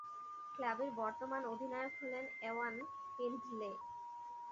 ক্লাবের বর্তমান অধিনায়ক হলেন এওয়ান ফিন্ডলে।